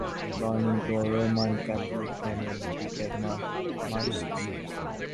Born into a Roman Catholic family, he became a Marxist.